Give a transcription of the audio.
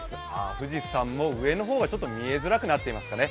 富士山も上の方は見えづらくなっていますかね。